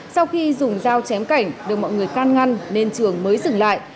sau khi dùng dao chém cảnh được mọi người can ngăn nên trường mới dừng lại